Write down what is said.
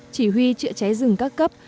chỉ huy chữa cháy rừng các cấp